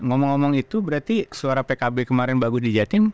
ngomong ngomong itu berarti suara pkb kemarin bagus di jatim